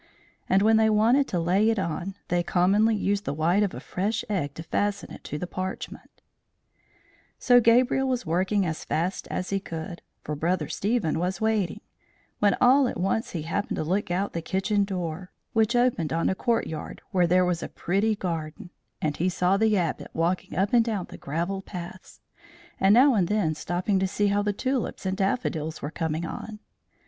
And when they wanted to lay it on, they commonly used the white of a fresh egg to fasten it to the parchment. [Illustration: "He saw the Abbot walking up and down"] So Gabriel was working as fast as he could, for Brother Stephen was waiting; when all at once he happened to look out the kitchen door, which opened on a courtyard where there was a pretty garden, and he saw the Abbot walking up and down the gravel paths, and now and then stopping to see how the tulips and daffodils were coming on.